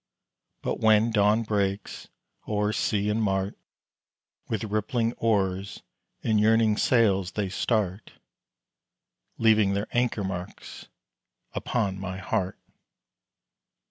But when dawn breaks o'er sea and mart, With rippling oars and yearning sails they start, Leaving their anchor marks upon my heart.